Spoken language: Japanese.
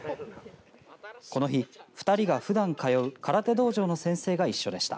その日、２人がふだん通う空手道場の先生が一緒でした。